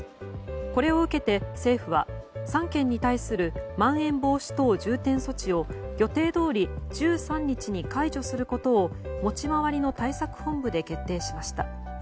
これを受けて政府は３県に対するまん延防止等重点措置を予定どおり１３日に解除することを持ち回りの対策本部で決定しました。